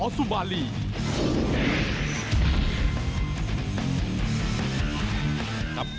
สวัสดีครับ